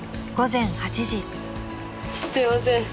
すいません。